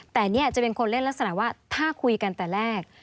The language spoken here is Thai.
แต่เนี่ยจะเป็นคนเล่นลักษณะว่าถ้าคุยกันแต่แรก